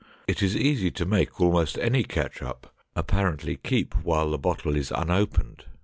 It is easy to make almost any ketchup apparently keep while the bottle is unopened.